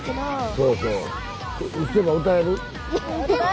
そうそう。